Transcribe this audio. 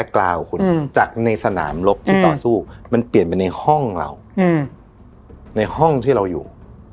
กล่าวคุณจากในสนามรบที่ต่อสู้มันเปลี่ยนไปในห้องเราในห้องที่เราอยู่